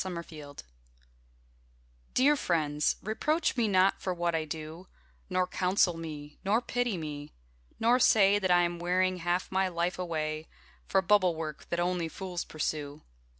Dear Friends Dear friends, reproach me not for what I do, Nor counsel me, nor pity me; nor say That I am wearing half my life away For bubble work that only fools pursue.